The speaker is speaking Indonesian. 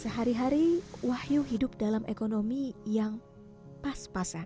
sehari hari wahyu hidup dalam ekonomi yang pas pasan